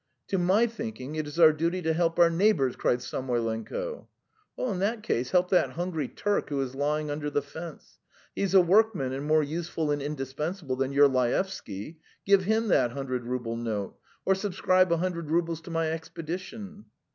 "To my thinking, it is our duty to help our neighbours!" cried Samoylenko. "In that case, help that hungry Turk who is lying under the fence! He is a workman and more useful and indispensable than your Laevsky. Give him that hundred rouble note! Or subscribe a hundred roubles to my expedition!"